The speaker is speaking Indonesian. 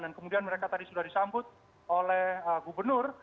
dan kemudian mereka tadi sudah disambut oleh gubernur